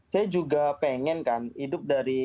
saya juga pengen kan hidup dari